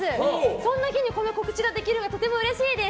そんな日にこの告知ができてとてもうれしいです。